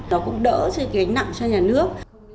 nó cũng đỡ cái nặng cho nhà nước